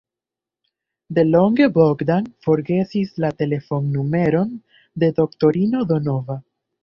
Delonge Bogdan forgesis la telefonnumeron de doktorino Donova.